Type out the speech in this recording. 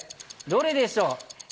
どれでしょう？